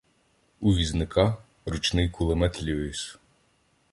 У візника ручний кулемет "Люїс".